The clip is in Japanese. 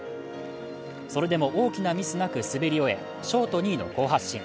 それでも大きなミスなく滑り終え、ショート２位の好発進。